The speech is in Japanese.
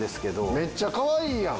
めっちゃかわいいやん。